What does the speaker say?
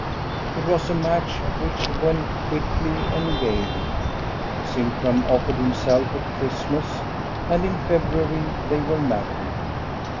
It was a match which went quickly and gayly. Sintram offered himself at Christmas, and in Feb ruary they were married.